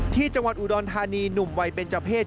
ที่จังหวัดอุดรธานีหนุ่มวัยเป็นเจ้าเพศ